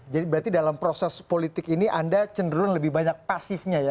jadi berarti dalam proses politik ini anda cenderung lebih banyak pasifnya ya